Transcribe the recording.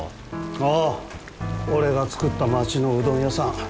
ああ俺が作った街のうどん屋さん。